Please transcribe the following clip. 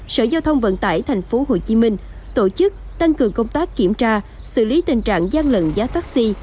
sở giao thông vận tải tp hcm tổ chức tăng cường công tác kiểm tra xử lý tình trạng gian lận giá taxi